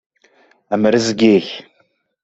Am rrezg-ik!